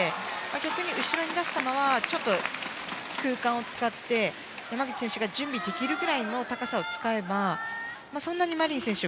逆に後ろに出す球はちょっと空間を使って山口選手が準備できるぐらいの高さを使えばそんなにマリン選手